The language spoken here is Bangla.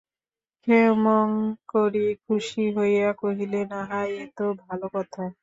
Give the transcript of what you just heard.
ক্ষেমংকরী খুশি হইয়া কহিলেন, আহা, এ তো ভালো কথা।